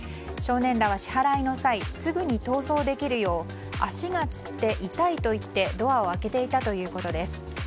少年らは支払いの際すぐに逃走できるよう足がつって痛いと言ってドアを開けていたということです。